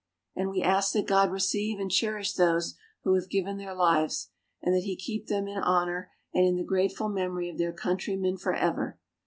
And we ask that God receive and cherish those who have given their lives, and that He keep them in honor and in the grateful memory of their countrymen forever.